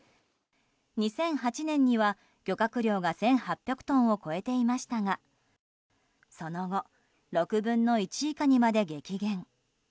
２００８年には漁獲量が１８００トンを超えていましたがその後６分の１以下にまで激減。